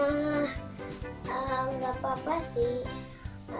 enggak apa apa sih